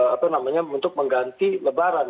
apa namanya untuk mengganti lebaran